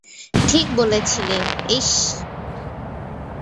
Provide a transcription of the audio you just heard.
ঠিক বলেছিলি, এইস।